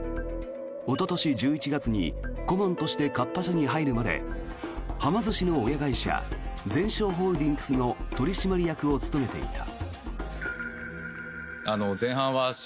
おととし１１月に顧問としてカッパ社に入るまではま寿司の親会社ゼンショーホールディングスの取締役を務めていた。